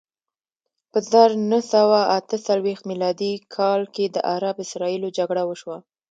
په زر نه سوه اته څلویښت میلادي کال کې د عرب اسراییلو جګړه وشوه.